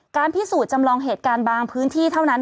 พิสูจน์จำลองเหตุการณ์บางพื้นที่เท่านั้น